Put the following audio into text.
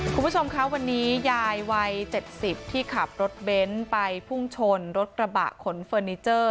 คุณผู้ชมคะวันนี้ยายวัย๗๐ที่ขับรถเบนท์ไปพุ่งชนรถกระบะขนเฟอร์นิเจอร์